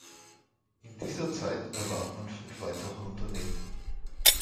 In dieser Zeit erwarb man fünf weitere Unternehmen.